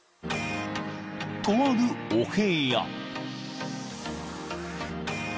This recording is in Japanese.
［とあるお部屋］